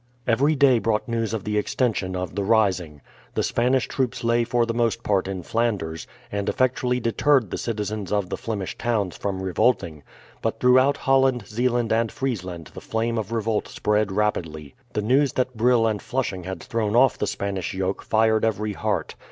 Every day brought news of the extension of the rising. The Spanish troops lay for the most part in Flanders, and effectually deterred the citizens of the Flemish towns from revolting; but throughout Holland, Zeeland, and Friesland the flame of revolt spread rapidly. The news that Brill and Flushing had thrown off the Spanish yoke fired every heart.